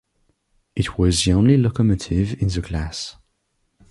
It was the only locomotive in the class.